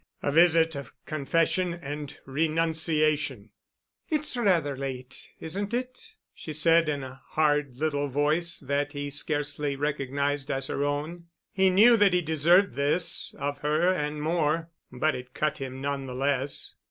"A visit of confession and renunciation——" "It's rather late, isn't it?" she said in a hard little voice that he scarcely recognized as her own. He knew that he deserved this of her and more, but it cut him none the less.